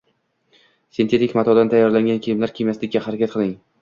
Sintetik matodan tayyorlangan kiyimlar kiymaslikga xarakat qiling